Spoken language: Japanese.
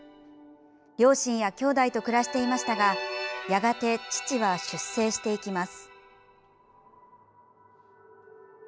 両親や、きょうだいと暮らしていましたがやがて父は出征していきます。